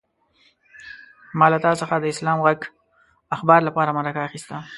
ما له تا څخه د اسلام غږ اخبار لپاره مرکه اخيسته.